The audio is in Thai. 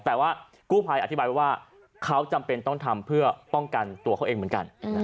แต่ว่ากู้ภัยอธิบายว่าเขาจำเป็นต้องทำเพื่อป้องกันตัวเขาเองเหมือนกัน